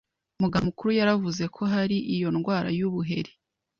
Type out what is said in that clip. muganga mukuru yaravuze ko hari iyo ndwara y'ubuheri